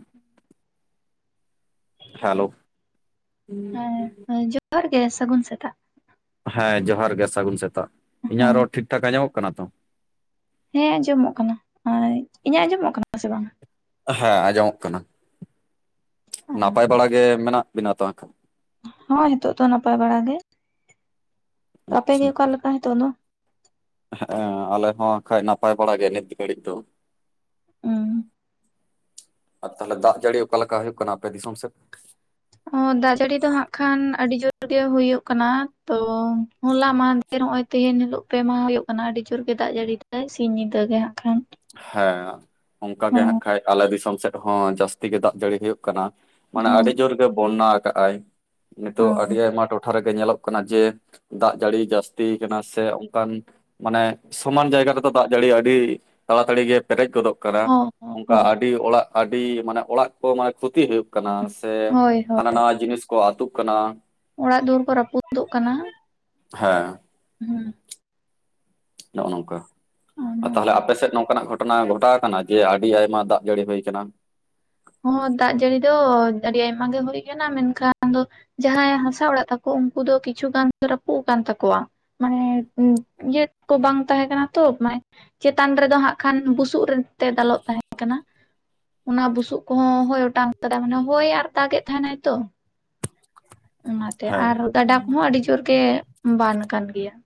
[unintelligible] Hello, ᱦᱮᱸ ᱡᱚᱦᱟᱨ ᱜᱮ ᱥᱟᱹᱜᱩᱱ ᱥᱮᱛᱟᱜ ᱦᱮᱸ ᱡᱚᱦᱟᱨ ᱜᱮ ᱥᱟᱹᱜᱩᱱ ᱥᱮᱛᱟᱜ ᱤᱧᱟᱹᱜ ᱦᱮᱸ ᱨᱚᱲ ᱴᱷᱤᱠ ᱴᱷᱟᱠ ᱟᱧᱟᱢᱚᱜ ᱠᱟᱱᱟ ᱛᱚ? ᱦᱮᱸ ᱟᱸᱡᱚᱢᱚᱜ ᱠᱟᱱᱟ ᱟᱨ ᱤᱧᱟᱹᱜ ᱟᱸᱡᱚᱢᱚᱜ ᱠᱟᱱᱟ ᱥᱮ ᱵᱟᱝᱟ? ᱦᱮᱸ ᱟᱸᱡᱚᱢᱚᱜ ᱠᱟᱱᱟ ᱱᱟᱯᱟᱭ ᱵᱟᱲᱟ ᱜᱮ ᱢᱮᱱᱟᱜ ᱵᱤᱱᱟ ᱛᱚᱦᱟᱸ ᱠᱷᱟᱱ? ᱦᱚᱭ ᱱᱤᱛᱚᱜ ᱫᱚ ᱱᱟᱯᱟᱭ ᱵᱟᱲᱟ ᱜᱮ ᱟᱯᱮᱜ ᱟᱪᱪᱷᱟ ᱜᱮ ᱚᱠᱟᱮᱠᱟ ᱱᱤᱛᱚᱜ ᱫᱚ? ᱦᱮᱸ ᱟᱞᱮ ᱦᱸ ᱱᱟᱯᱟᱭ ᱵᱟᱲᱟ ᱜᱮᱭᱟ ᱱᱤᱛ ᱜᱷᱟᱹᱲᱤᱡ ᱫᱚ- ᱦᱩᱸ ᱟᱨ ᱛᱟᱦᱚᱞᱮ ᱫᱟᱜ ᱡᱟᱹᱲᱤ ᱚᱠᱟᱞᱮᱠᱟ ᱦᱩᱭᱩᱜ ᱠᱟᱱᱟ ᱟᱯᱮ ᱫᱤᱥᱚᱢ ᱥᱮᱫ? ᱚ ᱫᱟᱜ ᱡᱟᱹᱲᱤ ᱫᱚ ᱦᱟᱸᱜ ᱠᱷᱟᱱ ᱟᱹᱰᱤ ᱡᱳᱨᱜ ᱦᱩᱭᱩᱜ ᱠᱟᱱᱟ ᱛᱚ ᱦᱚᱞᱟ ᱢᱟᱦᱟᱫᱮᱨ ᱱᱚᱜᱼᱚᱭ ᱛᱮᱦᱮᱧ ᱦᱤᱞᱳᱜ ᱯᱮᱢᱟᱦᱟ ᱦᱩᱭᱩᱜ ᱠᱟᱱᱟ ᱟᱹᱰᱤ ᱡᱳᱨ ᱜᱮ ᱫᱟᱜ ᱡᱟᱹᱲᱤ ᱛᱮ ᱥᱤᱧ ᱧᱤᱫᱟᱹ ᱜᱮ ᱦᱟᱸᱜ ᱠᱷᱟᱱ, ᱦᱮᱸ ᱚᱱᱠᱟ ᱜᱮ ᱦᱟᱸ ᱠᱷᱟᱱ ᱟᱞᱮ ᱫᱤᱥᱚᱢ ᱥᱮᱫ ᱦᱚᱸ ᱡᱟᱹᱥᱛᱤ ᱜᱮ ᱫᱟᱜ ᱡᱟᱹᱲᱤ ᱦᱩᱭᱩᱜ ᱠᱟᱱᱟ᱾ ᱢᱟᱱᱮ ᱟᱹᱰᱤ ᱡᱳᱨᱜ ᱵᱚᱱᱱᱟ ᱟᱠᱟᱟᱜ ᱟᱭ ᱱᱤᱛᱚᱜ ᱟᱹᱰᱤ ᱟᱭᱢᱟ ᱴᱚᱴᱷᱟ ᱨᱮᱜᱮ, ᱧᱮᱞᱚᱜ ᱠᱟᱱᱟ ᱡᱮ ᱫᱟᱜ ᱡᱟᱹᱲᱤ ᱡᱟᱹᱥᱛᱤ ᱠᱟᱱᱟ ᱥᱮ ᱚᱱᱠᱟᱱ, ᱢᱟᱱᱮ ᱥᱚᱢᱟᱱ ᱡᱟᱭᱜᱟ ᱨᱮᱛᱚ ᱫᱟᱜ ᱡᱟᱹᱲᱤ ᱟᱹᱰᱤ, ᱛᱟᱲᱟᱛᱟᱹᱲᱤ ᱜᱮ ᱯᱮᱨᱮᱡ ᱜᱚᱫᱚᱜ ᱠᱟᱱᱟ ᱦᱳᱭ ᱚᱱᱠᱟ ᱦᱳᱭ ᱟᱹᱰᱤ ᱚᱲᱟᱜ ᱟᱹᱰᱤ ᱢᱟᱱᱮ ᱚᱲᱟᱜ ᱠᱚ ᱢᱟᱱᱮ ᱠᱷᱩᱛᱤ ᱦᱩᱭᱩᱜ, ᱠᱟᱱᱟ ᱥᱮ ᱦᱳᱭ ᱦᱳᱭ ᱦᱟᱱᱟ ᱱᱟ ᱡᱤᱱᱤᱥ ᱠᱚ ᱟᱹᱛᱩᱜ ᱠᱟᱱᱟ᱾ ᱚᱲᱟᱜ ᱫᱩᱣᱟᱹᱨ ᱠᱚ ᱨᱟᱹᱯᱩᱫᱚᱜ ᱠᱟᱱᱟ ᱦᱮᱸ ᱦᱮ- ᱱᱚᱜᱼᱚ ᱱᱚᱝᱠᱟ ᱛᱟᱦᱚᱞᱮ ᱟᱯᱮ ᱥᱮᱫ ᱱᱚᱝᱠᱟᱱᱟᱜ ᱜᱷᱚᱴᱚᱱᱟ, ᱜᱷᱚᱴᱚᱱᱟ ᱜᱷᱚᱴᱟᱣ ᱟᱠᱟᱱᱟ ᱡᱮ ᱟᱹᱰᱤ ᱟᱭᱢᱟ ᱫᱟᱜ ᱡᱟᱹᱲᱤ ᱦᱩᱭ ᱟᱠᱟᱱᱟ? ᱦᱚᱸ ᱫᱟᱜ ᱡᱟᱹᱲᱤ ᱫᱚ ᱟᱹᱰᱤ ᱟᱭᱢᱟ ᱜᱮ ᱦᱩᱭ ᱟᱠᱟᱱᱟ ᱢᱮᱱᱠᱷᱟᱱ ᱟᱫᱚ ᱡᱟᱦᱟᱸᱭ ᱦᱟᱥᱟ ᱚᱲᱟᱜ ᱛᱟᱠᱚ ᱩᱱᱠᱩ ᱫᱚ ᱠᱤᱪᱷᱩ ᱜᱟᱱ ᱨᱟᱹᱯᱩᱫ ᱟᱠᱟᱱ ᱛᱟᱠᱚᱣᱟ, ᱢᱟᱱᱮ ᱤᱭᱟᱹ ᱠᱚ ᱵᱟᱝ ᱛᱟᱦᱮᱸ ᱠᱟᱱᱟ ᱛᱚ ᱢᱟᱱᱮ - ᱪᱮᱛᱟᱱ ᱨᱮᱫᱚ ᱦᱟᱸᱜ ᱠᱷᱟᱱ ᱵᱩᱥᱩᱵ ᱨᱮ ᱛᱮ ᱫᱟᱞᱚᱵ ᱛᱟᱦᱮᱸ ᱠᱟᱱᱟ ᱚᱱᱟ ᱵᱩᱥᱩᱵ- ᱠᱚ ᱦᱳᱭ ᱚᱴᱟᱝᱛᱟᱲᱟ ᱢᱟᱱᱮ ᱦᱳᱭ ᱟᱨ ᱫᱟᱜᱮᱫ ᱛᱟᱦᱮᱱᱟᱭ ᱛᱚ, ᱚᱱᱟᱛᱮ ᱦᱮᱸ ᱟᱨ ᱜᱟᱰᱟ ᱠᱚᱦᱚᱸ ᱟᱹᱰᱤ ᱡᱳᱨ ᱜᱮ ᱵᱟᱱ ᱠᱟᱱ ᱜᱮᱭᱟ-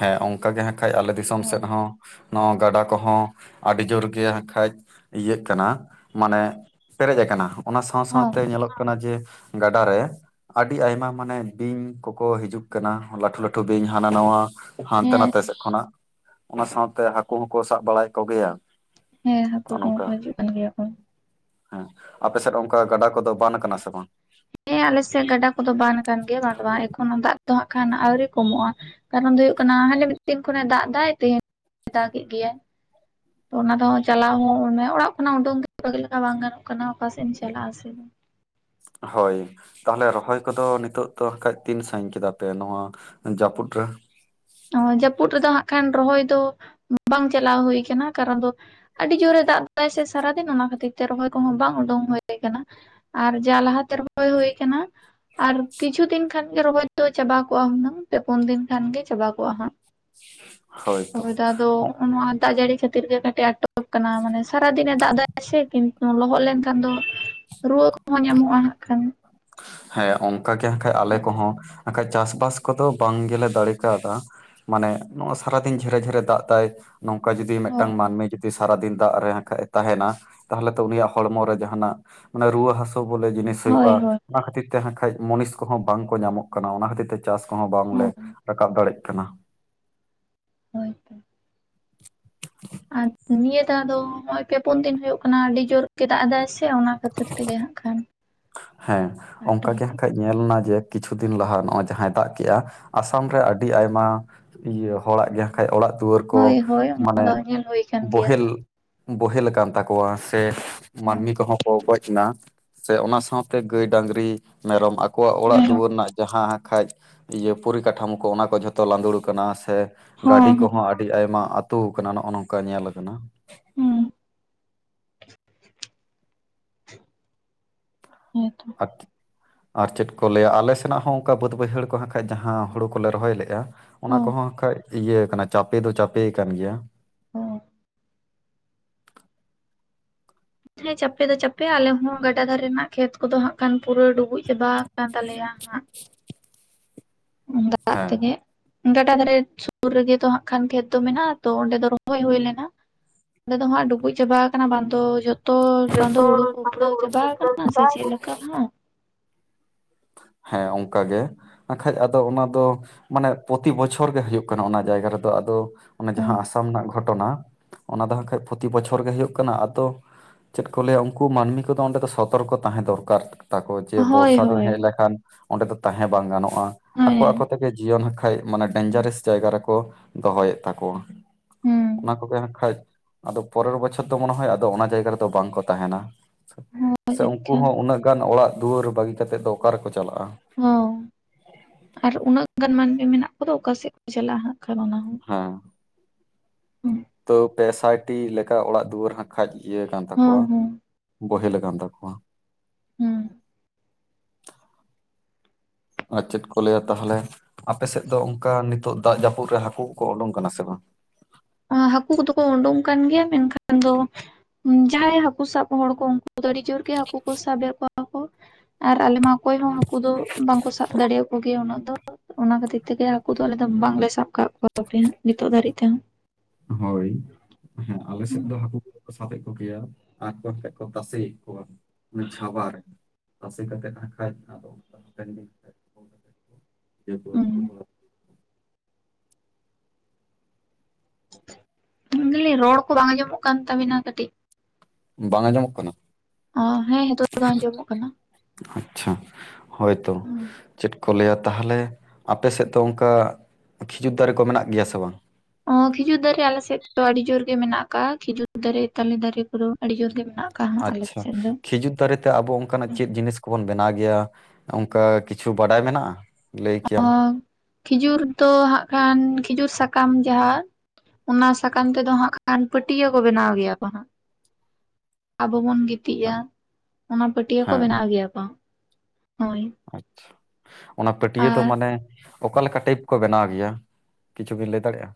ᱦᱮᱸ ᱚᱱᱠᱟ ᱜᱮ ᱦᱟᱸᱜ ᱠᱷᱟᱡ ᱟᱞᱮ ᱫᱤᱥᱚᱢ ᱦᱮᱸ ᱥᱮᱫ ᱦᱚᱸ, ᱱᱚᱣᱟ ᱜᱟᱰᱟ ᱠᱚᱦᱚᱸ ᱟᱹᱰᱤ ᱡᱳᱨ ᱜᱮ ᱠᱷᱟᱱᱡ ᱤᱭᱟᱹᱜ ᱠᱟᱱᱟ ᱢᱟᱱᱮ, ᱯᱮᱨᱮᱡ ᱟᱠᱟᱱᱟ ᱚᱱᱟ ᱥᱟᱶ ᱦᱚᱸ ᱥᱟᱶᱛᱮ ᱧᱮᱞᱚᱜ ᱠᱟᱱᱟ ᱡᱮ- ᱜᱟᱰᱟ ᱨᱮ ᱟᱹᱰᱤ ᱟᱭᱢᱟ ᱢᱟᱱᱮ ᱵᱤᱧ ᱠᱚᱠᱚ ᱦᱤᱡᱩᱜ ᱠᱟᱱᱟ ᱞᱟᱹᱴᱷᱩ ᱞᱟᱹᱴᱩ ᱵᱤᱧ ᱦᱚᱸ, ᱦᱟᱱᱟ ᱱᱟ ᱦᱟᱱᱛᱮ ᱦᱮᱸ ᱱᱟᱛᱮ ᱥᱡ ᱠᱷᱚᱱᱟᱜ ᱚᱱᱟ ᱥᱟᱶᱛᱮ ᱦᱟᱹᱠᱩ ᱦᱚᱸᱠᱚ ᱥᱟᱵ ᱵᱟᱲᱟᱭᱮᱫ ᱠᱚᱜᱮᱭᱟ, ᱦᱮᱸ ᱦᱟᱹᱠᱩ ᱱᱚᱜᱼᱚ ᱠᱚᱦᱚᱸ ᱱᱚᱝᱠᱟ ᱠᱚ ᱦᱤᱡᱩᱜ ᱠᱟᱱ ᱜᱮᱭᱟ ᱠᱚ, ᱦᱮᱸ ᱟᱯᱮᱥᱮᱫ ᱚᱱᱠᱟ ᱜᱟᱰᱟ ᱠᱚᱫᱚ ᱵᱟᱱ ᱠᱟᱱᱟ ᱥᱮ ᱵᱟᱝ? ᱦᱮᱸ ᱟᱞᱮ ᱥᱮᱫ ᱜᱟᱰᱟ ᱠᱚᱫᱚ ᱵᱟᱱ ᱟᱠᱟᱱ ᱜᱮᱭᱟ ᱵᱟᱝ ᱵᱟᱝ ᱮᱠᱷᱚᱱ ᱦᱚᱸ ᱫᱟᱜ ᱫᱚ ᱦᱟᱸᱜ ᱠᱷᱟᱱ ᱟᱹᱣᱨᱤ ᱠᱚᱢᱚᱜᱼᱟ᱾ ᱠᱟᱨᱚᱱ ᱫᱚ ᱦᱩᱭᱩᱜ ᱠᱟᱱᱟ ᱦᱟᱸᱱᱮ ᱢᱤᱫ ᱫᱤᱱ ᱠᱷᱚᱱᱮ ᱫᱟᱜ ᱫᱟᱭ ᱛᱮ ᱫᱟᱜᱮᱜ ᱜᱮᱭᱟᱭ- [inaudible] ᱛᱚ ᱚᱱᱟ ᱫᱚ ᱪᱟᱞᱟᱣ ᱦᱚᱸ ᱢᱟᱱᱮ ᱚᱲᱟᱜ ᱠᱷᱚᱱᱟᱜ ᱩᱰᱩᱝ ᱵᱷᱟᱹᱜᱤ ᱞᱮᱠᱟ ᱵᱟᱝ ᱜᱟᱱᱚᱜ ᱠᱟᱱᱟ ᱚᱠᱟ ᱥᱮᱜ ᱮᱢ ᱪᱟᱞᱟᱜᱼᱟ ᱥᱮ- ᱦᱳᱭ ᱛᱟᱦᱞᱮ ᱨᱚᱦᱚᱭ ᱠᱚᱫᱚ ᱱᱤᱛᱚᱜ ᱫᱚ ᱠᱷᱟᱡᱽ ᱛᱤᱱ ᱥᱟᱺᱜᱤᱧ ᱠᱮᱫᱟ ᱯᱮ ᱱᱚᱣᱟ ᱡᱟᱹᱯᱩᱫ ᱨᱮ ᱚᱸ ᱡᱟᱹᱯᱩᱫᱽ ᱨᱮᱫᱚ ᱦᱟᱸᱜ ᱠᱷᱟᱱ ᱨᱚᱦᱚᱭ ᱫᱚ ᱵᱟᱝ ᱪᱟᱞᱟᱣ ᱦᱩᱭ ᱠᱟᱱᱟ ᱠᱟᱨᱚᱱ ᱫᱚ ᱟᱹᱰᱤ ᱡᱳᱨᱮ ᱫᱟᱜ ᱫᱟᱭ ᱥᱮ ᱥᱟᱨᱟᱫᱤᱱ ᱚᱱᱟ ᱠᱷᱟᱹᱛᱤᱨ ᱛᱮ ᱨᱚᱦᱚᱭ ᱠᱚᱦᱚᱸ ᱵᱟᱝ ᱩᱰᱩᱝ ᱦᱩᱭ ᱠᱟᱱᱟ᱾ ᱟᱨ ᱡᱟ ᱞᱟᱦᱟ ᱛᱮ ᱨᱚᱦᱚᱭ ᱦᱩᱭ ᱠᱟᱱᱟ᱾ ᱟᱨ ᱠᱤᱪᱷᱩ ᱫᱤᱱ ᱠᱷᱟᱱ ᱜᱮ ᱨᱚᱦᱚᱭ ᱫᱚ ᱪᱟᱵᱟ ᱠᱚᱜᱼᱟ ᱦᱩᱱᱟᱹᱝ ᱯᱮ ᱯᱩᱱ ᱫᱤᱱ ᱠᱷᱟᱱ ᱜᱮ ᱪᱟᱵᱟ ᱠᱚᱸᱜᱼᱟ ᱦᱟᱸᱜ ᱦᱳᱭ ᱛᱚ ᱯᱚᱨᱮ ᱫᱚ ᱟᱫᱚ ᱚᱱᱟ ᱫᱟᱜ ᱡᱟᱹᱲᱤ ᱠᱷᱟᱹᱛᱤᱨ ᱜᱮ ᱠᱟᱴᱤᱡᱽ ᱟᱴᱚᱠ ᱟᱠᱟᱱᱟ ᱢᱟᱱᱮ ᱥᱟᱨᱟ ᱫᱤᱱᱮ ᱫᱟᱜ ᱫᱟᱭ ᱥᱮ ᱠᱤᱱ ᱞᱚᱦᱚᱫ ᱞᱮᱱᱠᱷᱟᱱ ᱫᱚ ᱨᱩᱣᱟᱹ ᱠᱚᱦᱚᱸ ᱧᱟᱢᱚᱜᱼᱟ ᱦᱟᱸᱜ ᱠᱷᱟᱱ, ᱦᱮᱸ ᱚᱱᱠᱟ ᱜᱮ ᱠᱷᱟᱡᱽ ᱟᱞᱮ ᱠᱚᱦᱚᱸ ᱱᱟᱠᱷᱟᱡᱽ ᱪᱟᱥᱼᱵᱟᱥ ᱠᱚᱫᱚ ᱵᱟᱝ ᱜᱮᱞᱮ ᱫᱟᱲᱮ ᱠᱟᱣᱫᱟ᱾ ᱢᱟᱱᱮ ᱱᱚᱜᱼᱚᱭ ᱥᱟᱨᱟ ᱫᱤᱱ ᱡᱷᱮᱨᱮ ᱡᱷᱮᱨᱮ ᱫᱟᱜ ᱫᱟᱭ ᱱᱚᱝᱠᱟ ᱡᱩᱫᱤ ᱦᱳᱭ ᱢᱤᱫᱴᱟᱝ ᱢᱟᱹᱱᱢᱤ ᱡᱩᱫᱤ ᱡᱩᱫᱤ ᱥᱟᱨᱟ ᱫᱤᱱ ᱫᱟᱜ ᱨᱮ ᱠᱷᱟᱡᱽ ᱛᱟᱦᱮᱱᱟ ᱛᱟᱦᱞᱮ ᱛᱚ ᱩᱱᱤᱭᱟᱜ ᱦᱚᱲᱢᱚ ᱨᱮ ᱡᱟᱦᱟᱱᱟᱜ ᱢᱟᱱᱮ ᱨᱩᱣᱟᱹ ᱦᱟᱥᱳ ᱵᱚᱞᱮ ᱡᱤᱱᱤᱥ ᱦᱳᱭ ᱦᱩᱭᱩᱜᱼᱟ ᱦᱳᱭ ᱚᱱᱟ ᱠᱷᱟᱹᱛᱤᱨ ᱛᱮ ᱠᱷᱟᱡᱽ ᱢᱚᱱᱤᱥ ᱠᱚᱦᱚᱸ ᱵᱟᱝ ᱠᱚ ᱧᱟᱢᱚᱜ ᱠᱟᱱᱟ ᱚᱱᱟ ᱠᱷᱟᱹᱛᱤᱨ ᱛᱮ ᱪᱟᱥ ᱠᱚᱦᱚᱸ ᱵᱟᱝ ᱞᱮ ᱦᱳᱭ ᱨᱟᱠᱟᱵ ᱫᱟᱲᱮᱜ ᱠᱟᱱᱟ ᱾ ᱦᱳᱭ ᱛᱚ ᱾ ᱟᱨ ᱱᱤᱭᱟᱹ ᱫᱷᱟᱣ ᱫᱚ ᱱᱚᱜᱼᱚᱭ ᱯᱮ ᱯᱩᱱ ᱫᱤᱱ ᱦᱩᱭᱩᱜ ᱠᱟᱱᱟ ᱟᱹᱰᱤ ᱡᱳᱨ ᱜᱮ ᱫᱟᱜ ᱮᱫᱟᱭ ᱥᱮ, ᱥᱮ ᱚᱱᱟ ᱠᱷᱟᱹᱛᱤᱨ ᱛᱮᱜᱮ ᱦᱟᱸᱜ ᱠᱷᱟᱱ ᱾ ᱦᱮᱸ ᱚᱱᱠᱟ ᱜᱮ ᱠᱷᱟᱡᱽ ᱧᱮᱞ ᱱᱟ ᱡᱮ ᱠᱤᱪᱷᱩ ᱫᱤᱱ ᱞᱟᱦᱟ ᱱᱚᱜᱼᱚᱭ ᱡᱟᱦᱟᱸᱭ ᱫᱟᱜ ᱠᱮᱜᱼᱟ ᱟᱥᱟᱢ ᱨᱮ ᱟᱹᱰᱤ ᱟᱭᱢᱟ ᱤᱭᱟᱹ ᱦᱚᱲᱟᱜ ᱜᱮ ᱠᱷᱟᱱ ᱚᱲᱟᱜ ᱫᱩᱣᱟᱹᱨ ᱠᱚ ᱦᱳᱭ ᱦᱳᱭ ᱚᱱᱟ ᱢᱟᱱᱮ ᱫᱚ ᱧᱮᱞ ᱦᱩᱭ ᱠᱟᱱ ᱜᱮᱭᱟ ᱵᱚᱦᱮᱞ ᱦᱟᱸᱜ ᱵᱚᱦᱮᱞ ᱟᱠᱟᱱ ᱛᱟᱠᱚᱣᱟ ᱥᱮ ᱢᱟᱹᱱᱢᱤ ᱠᱚᱦᱚᱸ ᱠᱚ ᱜᱚᱡᱽ ᱮᱱᱟ, ᱥᱮ ᱚᱱᱟ ᱥᱟᱶ ᱛᱮ ᱜᱟᱹᱭ ᱰᱟᱝᱨᱤ ᱢᱮᱨᱚᱢ ᱟᱠᱚᱣᱟᱜ ᱚᱲᱟᱜ ᱦᱚᱸ ᱫᱩᱣᱟᱹᱨ ᱨᱮᱱᱟᱜ ᱡᱟᱦᱟᱸ ᱠᱷᱟᱡᱽ ᱤᱭᱟᱹ ᱯᱚᱨᱤᱠᱟᱴᱷᱟᱢᱳ ᱠᱚ ᱚᱱᱟ ᱠᱚ ᱡᱷᱚᱛᱚ ᱞᱟᱸᱫᱩᱲ ᱟᱠᱟᱱᱟ ᱥᱮ ᱜᱟᱹᱰᱤ ᱦᱚᱸ ᱠᱚᱦᱚᱸ ᱟᱹᱰᱤ ᱟᱭᱢᱟ ᱟᱹᱛᱩ ᱟᱠᱟᱱᱟ ᱱᱚᱜᱼᱚ ᱱᱚᱝᱠᱟ ᱧᱮᱞ ᱟᱠᱟᱱᱟ ᱾ ᱦᱩᱸ᱾ ᱦᱮᱸ ᱛᱚᱸ, [unintelligible] ᱟᱨ ᱪᱮᱫ ᱠᱚ ᱞᱟᱹᱭᱟ ᱟᱞᱮ ᱥᱮᱱᱟᱜ ᱦᱚᱸ ᱚᱱᱠᱟ ᱵᱟᱹᱫ ᱵᱟᱹᱭᱦᱟᱹᱲ ᱠᱚᱦᱟ ᱠᱷᱟᱡᱽ ᱡᱟᱦᱟᱸ ᱦᱳᱲᱳ ᱠᱚᱞᱮ ᱨᱚᱦᱚᱭ ᱞᱮᱜᱼᱟ, ᱚᱱᱟ ᱦᱚᱸ ᱠᱚᱦᱚᱸ ᱟᱜ ᱠᱷᱟᱡᱽ ᱤᱭᱟᱹ ᱠᱟᱱᱟ ᱪᱟᱯᱮ ᱫᱚ ᱪᱟᱯᱮ ᱠᱟᱱ ᱜᱮᱭᱟ ᱾ ᱦᱩᱸ ᱾ ᱦᱮᱸ ᱪᱟᱯᱮ ᱫᱚ ᱪᱟᱯᱮ ᱟᱞᱮ ᱦᱚᱸ ᱜᱟᱰᱟ ᱫᱷᱟᱨᱮ ᱨᱮᱱᱟᱜ ᱠᱷᱮᱛ ᱠᱚᱫᱚ ᱦᱟᱸᱜ ᱠᱷᱟᱱ ᱯᱩᱨᱟᱹ ᱰᱩᱵᱩᱡᱽ ᱪᱟᱵᱟ ᱟᱠᱟᱱ ᱛᱟᱞᱮᱭᱟ ᱦᱟᱸᱜ ᱾ ᱫᱟᱜ ᱦᱮᱸ ᱛᱮᱜᱮ, ᱜᱟᱰᱟ ᱫᱷᱟᱨᱮ ᱥᱩᱨ ᱨᱮᱜᱮ ᱛᱚ ᱦᱟᱸᱜ ᱠᱷᱟᱱ ᱠᱷᱮᱛ ᱫᱚ ᱢᱮᱱᱟᱜᱼᱟ ᱛᱚ ᱚᱸᱰᱮ ᱫᱚ ᱨᱚᱦᱚᱭ ᱦᱩᱭ ᱞᱮᱱᱟ ᱾ ᱚᱸᱰᱮ ᱫᱚ ᱦᱟᱸᱜ ᱰᱩᱵᱩᱡ ᱪᱟᱵᱟ ᱟᱠᱟᱱᱟ ᱵᱟᱝ ᱫᱚ ᱡᱚ ᱛᱚ ᱵᱟᱝ ᱫᱚ ᱡᱚᱛᱚ ᱦᱩᱲᱩ ᱠᱚ ᱪᱟᱸᱫᱳ ᱩᱯᱲᱟᱹᱣ ᱩᱰᱩᱠ ᱪᱟᱵᱟ ᱩᱯᱨᱟᱹᱣ ᱟᱠᱟᱱᱟ ᱥᱮ ᱠᱮᱫᱟᱭ ᱪᱮᱫ ᱞᱮᱠᱟ ᱦᱟᱸᱜ? ᱦᱮᱸ ᱚᱱᱠᱟ ᱜᱮ ᱟᱜ ᱠᱷᱟᱡᱽ ᱟᱫᱚ ᱚᱱᱟ ᱫᱚ ᱢᱟᱱᱮ ᱯᱚᱛᱤ ᱵᱚᱪᱷᱚᱨ ᱜᱮ ᱦᱩᱭᱩᱜ ᱠᱟᱱᱟ ᱚᱱᱟ ᱡᱟᱭᱜᱟ ᱨᱮᱫᱚ ᱟᱫᱚ ᱚᱱᱟ ᱡᱟᱦᱟᱸ ᱟᱥᱟᱢ ᱨᱮᱱᱟᱜ ᱜᱷᱚᱴᱚᱱᱟ, ᱚᱱᱟ ᱫᱚᱦᱟᱸᱜ ᱠᱷᱟᱸᱡᱽ ᱯᱚᱛᱤ ᱵᱚᱪᱷᱚᱨ ᱜᱮ ᱦᱩᱭᱩᱜ ᱠᱟᱱᱟ ᱟᱫᱚ ᱪᱮᱫ ᱠᱚ ᱞᱟᱹᱭᱟ ᱩᱱᱠᱩ ᱢᱟᱹᱱᱢᱤ ᱠᱚᱫᱚ ᱚᱸᱰᱮ ᱫᱚ ᱥᱚᱛᱚᱨᱠᱚ ᱛᱟᱦᱮᱸ ᱫᱚᱨᱠᱟᱨ ᱾ ᱛᱟᱠᱚ ᱡᱮ ᱦᱳᱭ ᱵᱚᱨᱥᱟ ᱫᱤᱱ ᱦᱳᱭ ᱦᱮᱡᱽ ᱞᱮᱠᱷᱟᱱ ᱚᱸᱰᱮ ᱫᱚ ᱛᱟᱦᱮᱸ ᱵᱟᱝ ᱜᱟᱱᱚᱜᱼᱟ ᱦᱳᱭ ᱟᱠᱚ ᱟᱠᱚ ᱛᱮ ᱜᱮ ᱡᱤᱭᱚᱱ ᱦᱚᱸ ᱠᱷᱟᱡᱽ ᱢᱟᱱᱮ ᱰᱮᱧᱡᱟᱨᱮᱥ ᱡᱟᱭᱜᱟ ᱨᱮᱠᱚ ᱫᱚᱦᱚᱭᱮᱫ ᱛᱟᱠᱚᱣᱟ ᱦᱩᱸ ᱾ ᱚᱱᱟ ᱠᱚᱜᱮ ᱦᱟᱸᱜ ᱠᱷᱟᱡᱽ ᱟᱫᱚ ᱯᱚᱨᱮᱨ ᱵᱚᱪᱷᱚᱨ ᱫᱚ ᱢᱚᱱᱮ ᱦᱚᱭ ᱟᱫᱚ ᱚᱱᱟ ᱡᱟᱭᱜᱟ ᱨᱮ ᱫᱚ ᱵᱟᱝ ᱠᱚ ᱛᱟᱦᱮᱱ-ᱟ ᱦᱳᱭ ᱥᱮ ᱡᱟᱹᱱᱤᱡ ᱩᱱᱠᱩ ᱠᱷᱟᱱ ᱦᱚᱸ ᱩᱱᱟᱹᱜ ᱚᱱᱠᱟᱱ ᱚᱲᱟᱜ ᱫᱩᱣᱟᱹᱨ ᱵᱟᱹᱜᱤ ᱠᱟᱛᱮᱫ ᱫᱚ ᱚᱠᱟᱨᱮ ᱠᱚ ᱪᱟᱞᱟᱜᱼᱟ? ᱦᱚᱸ ᱟᱨ ᱩᱱᱟᱹᱜ ᱜᱟᱱ ᱢᱟᱹᱱᱢᱤ ᱢᱮᱱᱟᱜ ᱠᱚ ᱫᱚ ᱚᱠᱟ ᱥᱮᱫ ᱠᱚ ᱪᱟᱞᱟᱜᱼᱟ ᱦᱟᱜ ᱠᱷᱟᱱ ᱚᱱᱟ ᱦᱚᱸ ᱦᱮᱸ ᱾ ᱦᱩᱸ᱾ ᱛᱚ ᱯᱮ ᱥᱟᱭᱴᱤ ᱞᱮᱠᱟ ᱚᱲᱟᱜ ᱫᱩᱣᱟᱹᱨ ᱦᱟᱸ ᱠᱷᱟᱡ ᱤᱭᱟᱹ ᱠᱟᱱ ᱦᱚᱸ ᱛᱟᱠᱚᱣᱟ᱾ ᱦᱚᱸ ᱵᱚᱦᱮᱞ ᱟᱠᱟᱱ ᱛᱟᱠᱚᱣᱟ᱾ ᱦᱩᱸ ᱟᱨ ᱪᱮᱫ ᱞᱟᱹᱭ-ᱟ ᱛᱟᱦᱞᱮ᱾ ᱟᱯᱮ ᱥᱮᱫ ᱫᱚ ᱚᱱᱠᱟ ᱱᱤᱹᱛᱚᱜ ᱫᱟᱜ ᱡᱟᱹᱯᱩᱫ ᱨᱮ ᱦᱟᱹᱠᱩ ᱠᱚ ᱩᱰᱩᱝ ᱠᱟᱱᱟ ᱥᱮ ᱵᱟᱝ? ᱮᱸ ᱦᱟᱹᱠᱩ ᱠᱚᱫᱚ ᱠᱚ ᱩᱰᱩᱝ ᱠᱟᱱ ᱜᱮᱭᱟ ᱢᱮᱱᱠᱷᱟᱱ ᱫᱚ ᱡᱟᱦᱟᱸᱭ ᱦᱟᱹᱠᱩ ᱥᱟᱵ ᱦᱚᱲ ᱠᱚ ᱩᱱᱠᱩ ᱟᱫᱚ ᱟᱹᱰᱤ ᱡᱳᱨ ᱜᱮ ᱦᱟᱹᱠᱩ ᱠᱚ ᱥᱟᱵᱮᱫ ᱠᱚᱣᱟ ᱠᱚ ᱟᱨ ᱟᱞᱮᱢᱟ ᱚᱠᱚᱭ ᱦᱚᱸ ᱦᱟᱠ ᱠᱩ ᱫᱚ ᱵᱟᱝ ᱠᱚ ᱥᱟᱵ ᱫᱟᱲᱮᱭᱟᱠᱚ ᱜᱮᱭᱟ ᱩᱱᱟᱹᱜ ᱫᱚ᱾ ᱚᱱᱟ ᱠᱷᱟᱹᱛᱤᱨ ᱛᱮ ᱜᱮ ᱦᱟᱹᱠᱩ ᱫᱚ ᱟᱞᱮ ᱫᱚ ᱵᱟᱝ ᱞᱮ ᱥᱟᱵ ᱠᱟᱜ ᱠᱚᱣᱟ ᱟᱨᱠᱤ ᱱᱤᱛᱚᱜ ᱫᱷᱟᱹᱨᱤᱡ ᱛᱮ ᱦᱚᱸ᱾ ᱦᱳᱭ ᱦᱮᱸ ᱟᱞᱮ ᱥᱮᱫ ᱫᱚ ᱦᱟᱹᱠᱩ ᱠᱚ ᱫᱚ ᱠᱚ ᱥᱟᱵ ᱮᱫ ᱠᱚ ᱜᱮᱭᱟ᱾ ᱟᱨ ᱠᱚ ᱥᱮᱫ ᱠᱚ ᱛᱟᱥᱮᱭᱮᱫ ᱠᱚᱣᱟ ᱚᱱᱟ ᱪᱷᱟᱵᱟ ᱨᱮ᱾ ᱛᱟᱥᱮ ᱠᱟᱛᱮᱫ ᱦᱟᱸᱜ ᱠᱷᱟᱡ ᱟᱫᱚ ᱚᱱᱟ ᱞᱮᱠᱟ [unintelligible] ᱢᱮᱱ ᱫᱟᱞᱤᱧ ᱨᱚᱲ ᱠᱚ ᱵᱟᱝ ᱟᱡᱚᱢᱚᱜ ᱠᱟᱱ ᱛᱟᱵᱤᱱᱟ ᱠᱟᱹᱴᱤᱡ᱾ ᱵᱟᱝ ᱟᱸᱡᱚ ᱢᱚᱜ ᱠᱟᱱᱟ? ᱚ ᱦᱮᱸ ᱱᱤᱛᱚᱜ ᱫᱚ ᱟᱸᱡᱚᱢᱚᱜ ᱠᱟᱱᱟ ᱟᱪᱪᱷᱟ᱾ ᱦᱳᱭᱵᱛᱚ ᱪᱮᱫ ᱠᱚ ᱠᱚ ᱞᱟᱹᱭ-ᱟ ᱛᱟᱦᱞᱮ ᱟᱯᱮ ᱥᱮᱫ ᱚᱱᱠᱟ ᱠᱷᱤᱡᱩᱨ ᱫᱟᱨᱮ ᱠᱚ ᱢᱮᱱᱟᱜ ᱜᱮᱭᱟ ᱥᱮ ᱵᱟᱝ? ᱚ ᱠᱷᱤᱡᱩᱨ ᱫᱟᱨᱮ ᱟᱞᱮ ᱥᱮᱫ ᱫᱚ ᱟᱹᱰᱤ ᱡᱳᱨ ᱜᱮ ᱢᱮᱱᱟᱜ ᱠᱟᱜᱼᱟ᱾ ᱠᱷᱤᱡᱩᱨ ᱫᱟᱨᱮ, ᱛᱟᱞᱮ ᱫᱟᱨᱮ ᱠᱚᱫᱚ ᱟᱹᱰᱤ ᱡᱳᱨ ᱜᱮ ᱢᱮᱱᱟᱜᱼᱟ᱾ ᱵᱟᱜ ᱠᱟ-ᱟ ᱟᱞᱮ ᱥᱮᱫ ᱫᱚ᱾ ᱫᱟᱨᱮ ᱛᱮ ᱟᱵᱚ ᱚᱱᱠᱟ ᱟᱜ ᱪᱮᱫ ᱠᱚ ᱵᱚᱱ ᱵᱮᱱᱟᱣ ᱜᱮᱭᱟ ᱚᱱᱠᱟ ᱠᱤᱪᱷᱩ ᱵᱟᱰᱟᱭ ᱢᱮᱱᱟᱜᱼᱟ? ᱞᱟᱹᱭ ᱠᱮᱭᱟᱢ᱾ ᱠᱷᱤᱡᱩᱨ ᱫᱚ ᱦᱟᱸᱜ ᱠᱷᱟᱱ ᱠᱷᱤᱡᱩᱨ ᱥᱟᱠᱟᱢ ᱡᱟᱦᱟᱸ ᱚᱱᱟ ᱥᱟᱠᱟᱢ ᱛᱮ ᱫᱚ ᱦᱟᱸᱜ ᱠᱷᱟᱱ ᱯᱟᱹᱴᱭᱟᱹ ᱠᱚ ᱵᱮᱱᱟᱣ ᱜᱮᱭᱟ ᱠᱚ ᱦᱟᱸᱜ᱾ ᱟᱵᱚ ᱵᱚᱱ ᱜᱤᱛᱤᱡ-ᱟ, ᱚᱱᱟ ᱯᱟᱹᱴᱭᱟᱹ ᱦᱮᱸ ᱵᱮᱱᱟᱣ ᱜᱮᱭᱟ ᱠᱚ᱾ ᱦᱳᱭ᱾ ᱟᱪᱪᱷᱟ, ᱚᱱᱟ ᱯᱟᱹᱴᱭᱟᱹ ᱫᱚ ᱟᱨ ᱢᱟᱱᱮ ᱚᱠᱟ ᱞᱮᱠᱟ ᱴᱟᱭᱤᱯ ᱠᱚ ᱵᱮᱱᱟᱣ ᱜᱮᱭᱟ, ᱠᱤᱪᱷᱩ ᱵᱤᱱ ᱞᱟᱹᱭ ᱫᱟᱲᱮᱜᱼᱟ?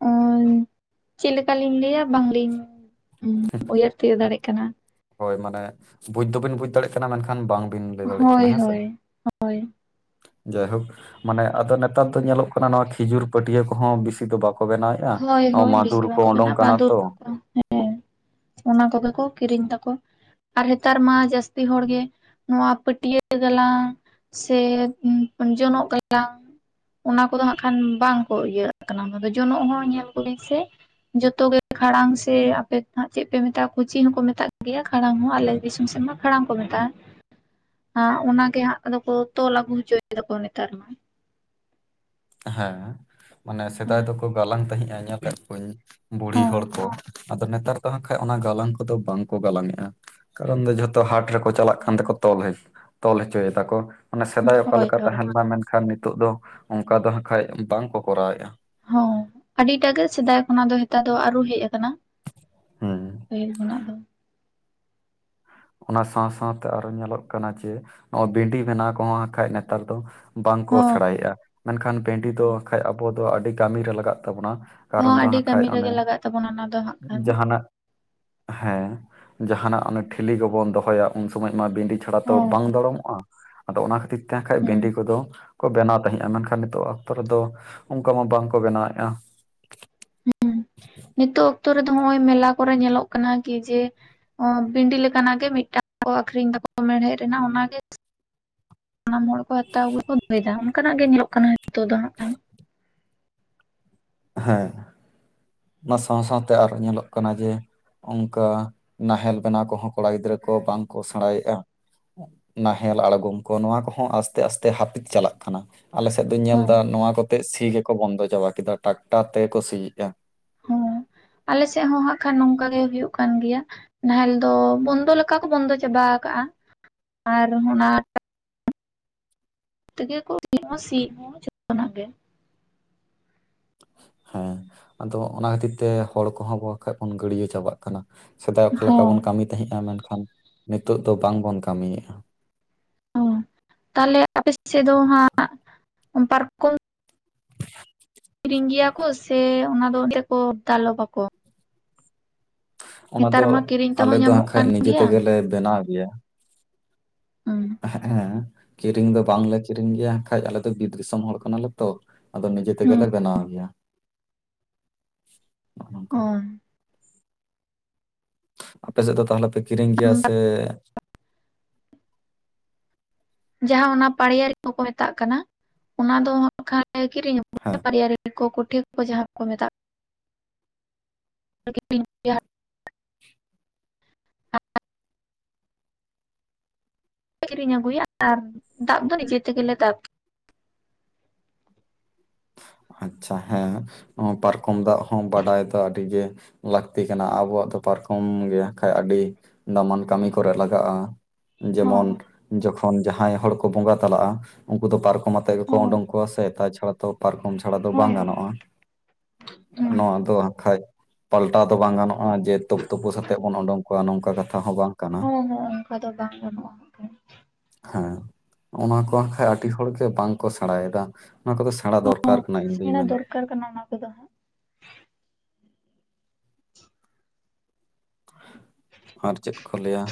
[unintelligible] ᱪᱮᱫ ᱞᱮᱠᱟ ᱞᱤᱧ ᱞᱟᱹᱭᱟ ᱵᱟᱝ ᱞᱤᱧ ᱩᱭᱦᱟᱹᱨ ᱛᱤᱭᱳᱜ ᱟᱪᱪᱷᱟ, ᱫᱟᱲᱮᱜ ᱠᱟᱱᱟ᱾ ᱦᱳᱭ ᱢᱟᱱᱮ ᱵᱩᱡ ᱫᱚ ᱵᱤᱱ ᱵᱩᱡᱽ ᱫᱟᱲᱮᱜ ᱠᱟᱱᱟ ᱢᱮᱱᱠᱷᱟᱱ ᱵᱟᱝ ᱵᱤᱱ ᱞᱟᱹᱭ ᱫᱟᱲᱮᱜ ᱦᱳᱭ ᱠᱟᱱᱟ, ᱦᱮᱸᱥᱮ? ᱦᱳᱭ ᱦᱳᱭ ᱡᱟᱭ ᱦᱳᱠ᱾ ᱢᱟᱱᱮ ᱟᱫᱚ ᱱᱮᱛᱟᱨ ᱫᱚ ᱧᱮᱞᱚᱜ ᱠᱟᱱᱟ ᱱᱚᱣᱟ ᱠᱷᱤᱡᱩᱨ ᱯᱟᱹᱴᱭᱟᱹ ᱠᱚᱦᱚᱸ ᱵᱤᱥᱤ ᱫᱚ ᱵᱟᱠ ᱠᱚ ᱵᱮᱱᱟᱣᱮᱫ-ᱟ ᱦᱳᱭ ᱱᱚᱣᱟ ᱢᱟᱫᱷᱩᱨ ᱠᱚ ᱩᱰᱩᱚᱝ ᱠᱟᱱᱟ ᱛᱚ᱾ ᱦᱮᱸ ᱚᱱᱟ ᱠᱚ ᱜᱮ ᱠᱚ ᱠᱤᱨᱤᱧ ᱫᱟᱠᱚ᱾ ᱟᱨ ᱦᱮᱛᱟᱨ ᱢᱟ ᱡᱟᱹᱥᱛᱤ ᱦᱚᱲ ᱜᱮ ᱱᱚᱣᱟ ᱯᱟᱹᱴᱭᱟᱹ ᱜᱟᱞᱟᱝ ᱥᱮ ᱡᱚᱱᱚᱜ ᱜᱟᱞᱟᱝ ᱚᱱᱟ ᱠᱚᱫᱚ ᱦᱟᱸᱜ ᱠᱷᱟᱱ ᱵᱟᱝ ᱠᱚ ᱤᱭᱟᱹᱣᱟᱜ ᱠᱟᱱᱟ, ᱚᱱᱟ ᱫᱚ ᱡᱚᱱᱚᱜ ᱦᱚᱸ ᱧᱮᱞ ᱠᱚᱵᱤᱱ ᱥᱮ? ᱡᱷᱚᱛᱚ ᱜᱮ ᱠᱷᱟᱲᱟᱝ ᱥᱮ ᱟᱯᱮ ᱫᱚ ᱦᱟᱸᱜ ᱪᱮᱫ ᱯᱮ ᱢᱮᱛᱟᱜᱼᱟ ᱠᱩᱪᱤ ᱦᱚᱸᱠᱚ ᱢᱮᱛᱟᱜ ᱜᱮᱭᱟ, ᱠᱷᱟᱲᱟᱝ ᱦᱚᱸ ᱟᱞᱮ ᱫᱤᱥᱚᱢ ᱥᱮᱫ ᱢᱟ ᱠᱷᱟᱲᱟᱝ ᱠᱚ ᱢᱮᱛᱟᱜ-ᱟ᱾ [inaudible] ᱦᱟᱸ ᱚᱱᱟᱜ ᱜᱮ ᱦᱟᱸᱜ ᱟᱫᱚ ᱠᱚ ᱛᱚᱞ ᱟᱹᱜᱩ ᱦᱚᱪᱚᱭ ᱫᱟ ᱠᱚ ᱱᱮᱛᱟᱨ ᱢᱟ᱾ ᱦᱮᱸ ᱢᱟᱱᱮ ᱦᱳᱭ ᱥᱮᱫᱟᱭ ᱫᱚᱠᱚ ᱜᱟᱞᱟᱝ ᱛᱟᱦᱮᱸᱜ-ᱟ ᱧᱮᱞ ᱠᱟᱫ ᱠᱚᱣᱟᱹᱧ ᱵᱩᱲᱦᱤ ᱦᱚᱲ ᱠᱚ᱾ ᱟᱫᱚ ᱱᱮᱛᱟᱨ ᱫᱚ ᱦᱟᱸ ᱠᱷᱟᱡ ᱚᱱᱟ ᱜᱟᱞᱟᱝ ᱠᱚ ᱫᱚ ᱵᱟᱝ ᱠᱚ ᱜᱟᱞᱟᱝᱮᱫ-ᱟ᱾ ᱠᱟᱨᱚᱱ ᱫᱚ ᱡᱷᱚᱛᱚ ᱦᱟᱴ ᱨᱮᱠᱚ ᱪᱟᱞᱟᱜ ᱠᱟᱱ ᱛᱮᱠᱚ ᱛᱚᱞ ᱦᱚᱪᱚᱭ ᱫᱟᱠᱚ᱾ ᱚᱱᱮ ᱥᱮᱫᱟᱭ ᱚᱠᱟ ᱦᱳᱭ ᱞᱮᱠᱟ ᱦᱳᱭ ᱛᱟᱦᱮᱸ ᱞᱮᱱᱟ ᱢᱮᱱᱠᱷᱟᱱ ᱱᱤᱛᱚᱜ ᱫᱚ ᱚᱱᱠᱟ ᱫᱚ ᱦᱟᱸᱜᱠᱷᱟᱡ ᱵᱟᱝ ᱠᱚ ᱠᱚᱨᱟᱣᱮᱫᱼᱟ᱾ ᱦᱚᱸ᱾ ᱟᱹᱰᱤ ᱴᱟ ᱜᱮ ᱥᱮᱫᱟᱭ ᱠᱷᱚᱱᱟᱜ ᱫᱚ ᱦᱮᱛᱟᱨ ᱫᱚ ᱟᱨᱩ ᱦᱮᱡ ᱟᱠ ᱠᱟᱱᱟ ᱦᱮᱸ ᱯᱟᱹᱦᱤᱞ ᱠᱷᱚᱱᱟᱜ ᱫᱚ᱾ ᱚᱱᱟ ᱥᱟᱶ ᱥᱟᱶᱛᱮ ᱟᱨᱚ ᱧᱮᱞᱚᱜ ᱠᱟᱱᱟ ᱡᱮ ᱱᱚᱣᱟ ᱵᱷᱤᱱᱰᱤ ᱵᱮᱱᱟᱣ ᱠᱚᱦᱚᱸ ᱦᱟᱸᱠᱷᱟᱡ ᱱᱮᱛᱟᱨ ᱫᱚ ᱵᱟᱝᱠᱚ ᱦᱚᱸ ᱥᱮᱬᱟᱭᱮᱫ-ᱟ, ᱢᱮᱱᱠᱷᱟᱱ ᱵᱮᱸᱰᱤ ᱫᱚ ᱦᱥᱜᱠᱟᱡ ᱟᱵᱚ ᱫᱚ ᱟᱹᱰᱤ ᱠᱟᱹᱢᱤᱨᱮ ᱞᱟᱜᱟᱜ ᱛᱟᱵᱚᱱᱟ᱾ ᱦᱚᱸ ᱠᱟᱨᱚᱱ ᱫᱚ ᱟᱹᱰᱤ ᱦᱟᱸᱠᱷᱷᱟᱡ ᱠᱟᱹᱢᱤ ᱚᱱᱮ ᱨᱮᱜᱮ ᱞᱟᱜᱟᱜ ᱛᱟᱵᱚᱱᱟ ᱚᱱᱟ ᱫᱚ ᱦᱟᱸᱜ ᱠᱷᱟᱱ ᱡᱟᱦᱟᱱᱟᱜ ᱦᱮᱸ᱾ ᱡᱟᱦᱟᱱᱟᱜ ᱚᱱᱮ ᱴᱷᱤᱞᱤ ᱠᱚᱵᱚᱱ ᱫᱚᱦᱚᱭᱟ ᱩᱱ ᱥᱚᱢᱚᱭ ᱢᱟ ᱵᱤᱱᱰᱤ ᱪᱷᱟᱲᱟ ᱛᱚ ᱦᱚᱸ ᱵᱟᱝ ᱫᱚᱟᱲᱚᱢᱚᱜᱼᱟ, ᱟᱫᱚ ᱚᱱᱟ ᱠᱷᱟᱹᱛᱤᱨ ᱛᱮ ᱦᱟᱸᱠᱷᱟᱡ ᱦᱩᱸ ᱵᱤᱱᱰᱤ ᱠᱚᱫᱚ ᱠᱚ ᱵᱮᱱᱟᱣ ᱛᱟᱦᱮᱸᱜᱼᱟ ᱢᱮᱱᱠᱷᱟᱱ ᱱᱤᱛᱚᱜ ᱚᱠᱛᱚ ᱨᱮᱫᱚ ᱚᱱᱠᱟ ᱢᱟ ᱵᱟᱝ ᱠᱚ ᱵᱮᱱᱟᱣᱮᱜᱼᱟ᱾ ᱱᱤᱛᱚᱜ ᱚᱠᱛᱚ ᱨᱮᱫᱚ ᱦᱚᱸᱜᱼᱚᱭ ᱢᱮᱞᱟ ᱠᱚᱨᱮ ᱧᱮᱞᱚᱜ ᱠᱟᱱᱟ ᱠᱤ ᱡᱮ ᱚ ᱵᱤᱱᱰᱤ ᱞᱮᱠᱟᱱᱟᱜ ᱜᱮ ᱢᱤᱫᱴᱟᱝ ᱠᱚ ᱟᱠᱷᱨᱤᱧ ᱫᱟᱠᱚ ᱢᱮᱲᱦᱮᱫ ᱨᱮᱱᱟᱜ ᱚᱱᱟᱜᱮ ᱥᱟᱱᱟᱢ ᱦᱚᱲ ᱠᱚ ᱦᱟᱛᱟᱣ [inaudible] ᱚᱱᱠᱟᱱᱟᱜ ᱜᱮ ᱧᱮᱞᱚᱜ ᱠᱟᱱᱟ ᱱᱤᱛᱳᱜ ᱫᱚ᱾ ᱦᱟᱸᱜ ᱠᱷᱟᱱ ᱦᱮᱸ, ᱚᱱᱟ ᱥᱟᱶ ᱥᱟᱶᱛᱮ ᱟᱨᱚ ᱧᱮᱞᱚᱜ ᱠᱟᱱᱟ ᱡᱮ ᱚᱱᱠᱟ ᱱᱟᱦᱮᱞ ᱵᱮᱱᱟᱣ ᱠᱚᱦᱚᱸ ᱠᱚᱲᱟ ᱜᱤᱫᱽᱨᱟᱹ ᱠᱚ ᱵᱟᱝ ᱠᱚ ᱥᱮᱬᱟᱭᱮᱫᱼᱟ᱾ ᱱᱟᱦᱮᱞ ᱟᱬᱜᱚᱢ ᱠᱚ ᱱᱚᱣᱟ ᱠᱚᱦᱚᱸ ᱟᱥᱛᱮ ᱟᱥᱛᱮ ᱦᱟᱹᱯᱤᱫ ᱪᱟᱞᱟᱜ ᱠᱟᱱᱟ᱾ ᱟᱞᱮ ᱥᱮᱫ ᱫᱩᱧ ᱧᱮᱞ ᱦᱚᱸ ᱫᱟ ᱱᱚᱶᱟ ᱠᱚᱛᱮ ᱥᱤ ᱜᱮᱠᱚ ᱵᱚᱱᱫᱚ ᱪᱟᱵᱟ ᱠᱮᱫᱟ ᱴᱟᱠᱴᱟᱨ ᱛᱮᱜᱮ ᱠᱚ ᱥᱤᱭᱮᱜ-ᱟ᱾ ᱦᱳᱭ, ᱟᱞᱮ ᱥᱮᱫ ᱦᱚᱸ ᱦᱟᱸᱜ ᱠᱷᱟᱱ ᱱᱚᱝᱠᱟ ᱜᱮ ᱦᱩᱭᱩᱜ ᱠᱟᱱ ᱜᱮᱭᱟ᱾ ᱱᱟᱦᱮᱞ ᱫᱚ ᱵᱚᱱᱫᱚ ᱞᱮᱠᱟ ᱠᱚ ᱵᱚᱱᱫᱚ ᱪᱟᱵᱟ ᱠᱟᱜᱼᱟ, ᱟᱨ ᱚᱱᱟ ᱛᱮᱜᱮ ᱠᱚ [inaudible] ᱥᱤ ᱦᱚᱸ ᱡᱷᱚᱛᱚ ᱱᱟᱜ ᱜᱮ᱾ ᱦᱮᱸ ᱟᱫᱚ ᱚᱱᱟ ᱠᱷᱟᱹᱛᱤᱨ ᱛᱮ ᱦᱚᱲ ᱠᱚᱦᱚᱸ ᱵᱟᱠᱷᱟᱡ ᱵᱚᱱ ᱜᱟᱹᱰᱭᱟᱹ ᱪᱟᱵᱟᱜ ᱠᱟᱱᱟ᱾ ᱥᱮᱫᱟᱭ ᱚᱠᱟ ᱞᱮᱠᱟ ᱦᱚᱸ ᱵᱚᱱ ᱠᱟᱹᱢᱤ ᱛᱟᱦᱮᱸᱜᱼᱟ ᱢᱮᱱᱠᱷᱟᱱ ᱱᱤᱛᱳᱜ ᱫᱚ ᱵᱟᱝᱵᱚᱱ ᱠᱟᱹᱢᱤᱭᱮᱫᱼᱟ᱾ ᱚ ᱛᱟᱦᱚᱞᱮ ᱟᱯᱮ ᱥᱮᱫ ᱫᱚ ᱦᱟᱸᱜ ᱯᱟᱨᱠᱚᱢ [inaudible] ᱠᱤᱨᱤᱧ ᱜᱮᱭᱟ ᱠᱚ ᱥᱮ ᱚᱱᱟ ᱫᱚ ᱚᱱᱛᱮ ᱠᱚ ᱫᱟᱞᱚᱵᱟᱠᱚ᱾ ᱚᱱᱟ ᱫᱚ ᱢᱟ ᱠᱤᱨᱤᱧ ᱟᱞᱮ ᱛᱮᱦᱚᱸ ᱫᱚ ᱧᱟᱢᱚᱜ ᱦᱟᱸᱠᱷᱟᱡ ᱠᱟᱱ ᱱᱤᱡᱮ ᱜᱮᱭᱟ ᱛᱮᱜᱮᱞᱮ ᱵᱮᱱᱟᱣ ᱜᱮᱭᱟ᱾ ᱦᱩᱸ ᱦᱮᱸ ᱠᱤᱨᱤᱧ ᱫᱚ ᱵᱟᱝᱞᱮ ᱠᱤᱨᱤᱧ ᱜᱮᱭᱟ ᱦᱟᱸᱠᱷᱟᱡ ᱟᱞᱮ ᱫᱚ ᱵᱤᱨ ᱫᱤᱥᱚᱢ ᱦᱚᱲ ᱠᱟᱱᱟᱞᱮ ᱛᱚ ᱟᱫᱚ ᱱᱤᱡᱮ ᱛᱮᱜᱮᱞᱮ ᱵᱮᱱᱟᱣ ᱜᱮᱭᱟ᱾ ᱱᱚᱜᱼᱚ ᱱᱚᱝᱠᱟ᱾ ᱟᱯᱮ ᱥᱮᱫ ᱫᱚ ᱛᱟᱦᱚᱞᱮ ᱯᱮ ᱠᱤᱨᱤᱧ ᱜᱮᱭᱟ ᱦᱩᱸ ᱥᱮ ᱡᱟᱦᱟᱸ ᱚᱱᱟ ᱯᱟᱲᱭᱟᱨᱤ ᱠᱚᱠᱚ ᱢᱮᱛᱟᱜ ᱠᱟᱱᱟ ᱚᱱᱟ ᱫᱚ ᱦᱮᱸ [inaudible] ᱯᱟᱲᱭᱟᱨᱤ ᱠᱚ ᱠᱚᱴᱷᱮ ᱠᱚ ᱢᱟᱦᱟᱸ ᱠᱚ ᱢᱮᱛᱟᱜ [inaudible] [inaudible] ᱠᱤᱨᱤᱧ ᱟᱹᱜᱩᱭᱟ ᱟᱨ ᱫᱟᱵ ᱫᱚ ᱱᱤᱡᱮ ᱛᱮᱜᱮᱞᱮ ᱫᱟᱵ᱾ ᱟᱪᱪᱷᱟ ᱦᱮᱸ ᱱᱚᱣᱟ ᱯᱟᱨᱠᱚᱢ ᱫᱟᱵ ᱦᱚᱸ ᱵᱟᱰᱟᱭ ᱫᱚ ᱟᱹᱰᱤ ᱜᱮ ᱞᱟᱹᱠᱛᱤ ᱠᱟᱱᱟ ᱟᱵᱚᱣᱟᱜ ᱫᱚ ᱯᱟᱨᱠᱚᱢ ᱜᱮᱭᱟ ᱠᱷᱟᱡ ᱟᱹᱰᱤ ᱫᱟᱢᱟᱱ ᱠᱟᱹᱢᱤ ᱠᱚᱨᱮᱜ ᱞᱟᱜᱟᱜᱼᱟ᱾ ᱦᱚᱸ ᱡᱮᱢᱚᱱ ᱡᱚᱠᱷᱚᱱ ᱡᱟᱦᱟᱸᱭ ᱦᱚᱲ ᱠᱚ ᱵᱚᱸᱜᱟ ᱛᱟᱞᱟᱜᱼᱟ ᱩᱱᱠᱩ ᱫᱚ ᱯᱟᱨ ᱠᱚᱢ ᱟᱛᱮᱫ ᱜᱮ ᱠᱚ ᱦᱚᱸ ᱚᱰᱳᱝ ᱠᱳᱣᱭᱟ ᱥᱮ ᱛᱟ ᱪᱷᱟᱲᱟ ᱯᱟᱨᱠᱚᱢ ᱪᱷᱟᱲᱟ ᱫᱚ ᱦᱳᱭ ᱵᱟᱝ ᱦᱳᱭ ᱜᱟᱱᱚᱜᱼᱟ ᱦᱮᱸ ᱱᱚᱣᱟ ᱫᱚ ᱦᱟᱸᱠᱷᱟᱡ ᱯᱟᱞᱴᱟᱣ ᱫᱚ ᱵᱟᱝ ᱜᱟᱱᱚᱜ᱾ ᱚᱱᱟ ᱡᱮ ᱛᱚᱠᱛᱚ ᱯᱳᱥ ᱟᱛᱮᱫ ᱵᱚᱱ ᱳᱰᱳᱝ ᱠᱚᱣᱟ ᱱᱚᱝᱠᱟ ᱠᱟᱛᱷᱟ ᱦᱚᱸ ᱵᱟᱝ᱾ ᱠᱟᱱᱟ ᱦᱚᱸ ᱦᱚᱸ ᱚᱱᱠᱟ ᱫᱚ ᱵᱟᱝ ᱜᱟᱱᱚᱜᱼᱟ ᱦᱟᱸᱜ ᱠᱷᱟᱡ᱾ ᱦᱮᱸ ᱚᱱᱟ ᱠᱚ ᱦᱟᱸᱠᱷᱟᱡ ᱟᱹᱰᱤ ᱦᱚᱲᱜᱮ ᱵᱟᱝ ᱠᱚ ᱥᱮᱬᱟᱭᱮᱫᱟ ᱚᱱᱟ ᱠᱚᱫᱚ ᱥᱮᱬᱟ ᱫᱚᱨᱠᱟᱨ᱾ ᱠᱟᱱᱟ ᱤᱧ ᱫᱩᱧ ᱥᱮᱬᱟ ᱢᱮᱱᱟ ᱫᱚᱨᱠᱟᱨ ᱠᱟᱱᱟ ᱚᱱᱟ ᱠᱚᱫᱚ ᱦᱟᱸᱜ᱾ ᱟᱨ ᱪᱮᱫ ᱠᱚ ᱞᱟᱹᱭᱟ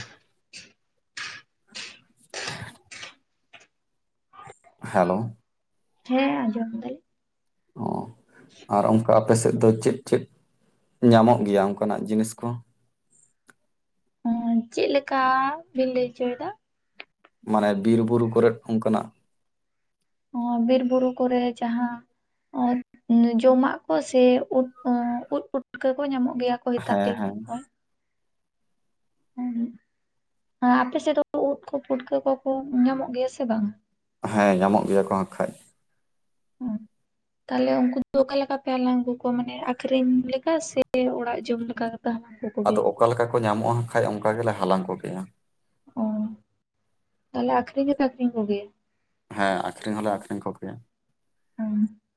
[inaudible] ᱦᱮᱞᱳ᱾ ᱦᱮᱸ ᱟᱸᱡᱚᱢ ᱫᱟᱞᱤᱧ᱾ ᱚ ᱟᱨ ᱚᱱᱠᱟ ᱟᱯᱮ ᱥᱮᱫ ᱫᱚ ᱪᱮᱫ ᱪᱮᱫ ᱧᱟᱢᱚᱜ ᱜᱮᱭᱟ ᱚᱱᱠᱟᱱᱟᱜ ᱡᱤᱱᱤ ᱠᱚ? ᱦᱳᱭ ᱪᱮᱫ ᱞᱮᱠᱟ ᱵᱤᱱ ᱞᱟᱹᱭ ᱦᱚᱪᱚᱭᱮᱫᱟ? ᱢᱟᱱᱮ ᱵᱤᱨ ᱵᱩᱨᱩ ᱠᱚᱨᱮᱫ ᱚᱱᱠᱟᱱᱟᱜ ᱦᱚᱸ ᱵᱤᱨ ᱵᱩᱨᱩ ᱠᱚᱨᱮ ᱡᱟᱦᱟᱸ ᱚᱸ ᱡᱚᱢᱟᱜ ᱠᱚ ᱥᱮ ᱩᱫ ᱮᱸ ᱩᱫ ᱯᱩᱴᱠᱟᱹ ᱠᱚ ᱡᱟᱢᱚᱜ ᱜᱮᱭᱟ? [inaudible] ᱦᱮᱸ ᱦᱮᱸ ᱦᱮᱸ ᱟᱯᱮ ᱥᱮᱫ ᱫᱚ ᱩᱫ ᱠᱚ ᱯᱩᱴᱠᱟᱹ ᱠᱚᱠᱚ ᱧᱟᱢᱚᱜ ᱜᱮᱭᱟ ᱥᱮ ᱵᱟᱝᱟ᱾ ᱦᱮᱸ ᱧᱟᱢᱚᱜ ᱜᱮᱭᱟ ᱠᱚ ᱮᱸᱠᱦᱟᱱᱡ᱾ [unintelligible] ᱛᱟᱦᱞᱮ ᱩᱱᱠᱩ ᱫᱚ ᱚᱠᱟ ᱞᱮᱠᱟ ᱯᱮ ᱦᱟᱞᱟᱝ ᱟᱹᱜᱩ ᱠᱚᱣᱟ ᱢᱟᱱᱮ ᱟᱠᱷᱨᱤᱧ ᱞᱮᱠᱟ ᱥᱮ ᱚᱲᱟᱜ ᱡᱚᱢ ᱞᱮᱠᱟᱯᱮ ᱦᱟᱞᱟᱝ ᱠᱩ᱾ ᱟᱫᱚ ᱚᱠᱟ ᱞᱮᱠᱟ ᱠᱚ ᱧᱟᱢᱚᱜᱼᱟ, ᱠᱷᱟᱡ ᱚᱱᱠᱟ ᱜᱮᱞᱮ ᱦᱟᱞᱟᱝ ᱠᱚ ᱜᱮᱭᱟ᱾ ᱚᱸ ᱛᱟᱦᱚᱞᱮ ᱟᱠᱷᱨᱤᱧ ᱦᱚᱸᱯᱮ ᱟᱠᱷᱨᱤᱧ ᱠᱚᱜᱮᱭᱟ᱾ ᱦᱮᱸ ᱟᱠᱷᱨᱤᱧ ᱦᱚᱞᱮ ᱟᱠᱷᱨᱤᱧ ᱠᱚᱜᱮᱭᱟ᱾ [unintelligible]